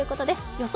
予想